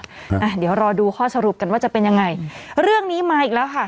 อ่าเดี๋ยวรอดูข้อสรุปกันว่าจะเป็นยังไงเรื่องนี้มาอีกแล้วค่ะ